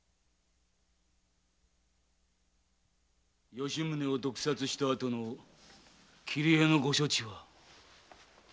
吉宗を毒殺したあとの桐江のご処置は？